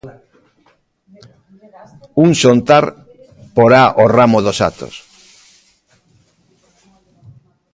Un xantar porá o ramo dos actos.